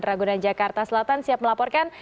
ragunan jakarta selatan siap melaporkan